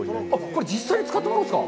これ、実際に使ったものですか？